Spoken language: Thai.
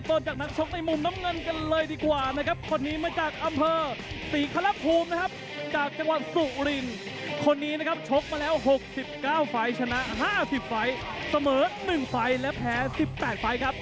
เริ่มต้นจากนักชกในมุมน้ำเงินกันเลยดีกว่านะครับคนนี้มาจากอำเภอศรีครับภูมินะครับจากจังหวัดสุรินคนนี้นะครับชกมาแล้วหกสิบเก้าไฟล์ชนะห้าสิบไฟล์เสมอหนึ่งไฟล์และแพ้สิบแปดไฟล์ครับ